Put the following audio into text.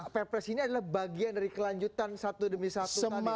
perpres ini adalah bagian dari kelanjutan satu demi satu tadi fight back